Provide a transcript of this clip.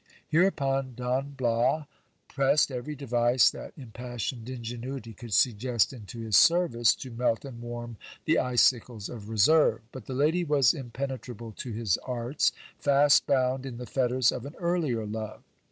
Hereupon Don Bias pressed every device that impassioned ingenuity could suggest into his service, to melt and warm the icicles of reserve ; but the lady was impenetrable to his arts, fast bound in the fetters of an earlier love.